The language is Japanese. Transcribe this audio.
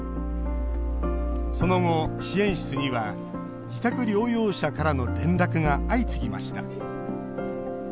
その後、支援室には自宅療養者からの連絡が相次ぎました。